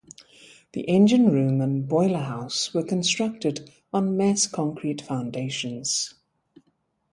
The engine room and boiler house were constructed on mass concrete foundations.